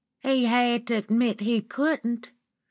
"He had to admit he couldn't.